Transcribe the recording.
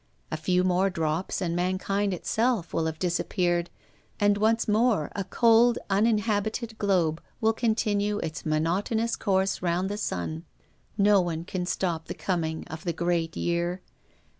A few more drops and mankind itself will have disappeared, and once more a cold, uninhabited globe will continue its monotonous course round the sun. No one can stop the coming of the 'Great Year.'